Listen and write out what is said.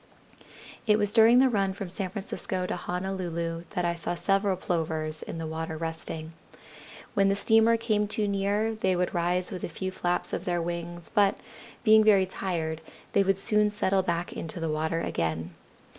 "It was during the run from San Francisco to Honolulu that I saw several Plovers in the water resting. When the steamer came too near they would rise with a few flaps of their wings, but, being very tired, they would soon settle back into the water again.